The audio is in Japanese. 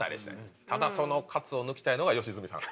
ただそのカツを抜きたいのが良純さん。